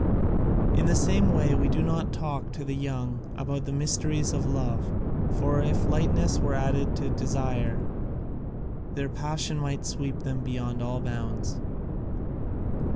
In the same way we do not talk to the young about the mysteries of love, for if lightness were added to desire, their passion might sweep them beyond all bounds."